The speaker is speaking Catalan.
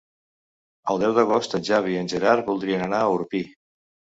El deu d'agost en Xavi i en Gerard voldrien anar a Orpí.